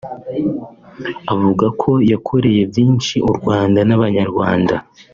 avuga ko yakoreye byinshi u Rwanda n’abanyarwanda